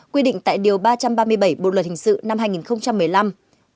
quy định tại điều ba trăm ba mươi bảy bộ luật hình sự năm hai nghìn một mươi năm